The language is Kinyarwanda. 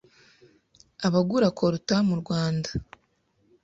abagura coltan mu Rwanda,